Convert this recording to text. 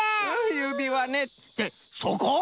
ゆびわねってそこ！？